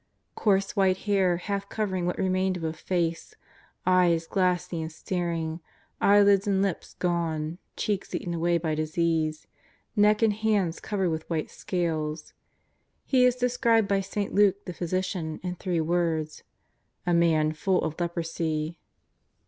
Coarse white hair half cover ing what remained of a face, eyes glassy and staring, eyelids and lips gone, cheeks eaten away by disease, neck and hands covered with white scales — he is described by St. Luke the physician in three words :" a man full of leprosy."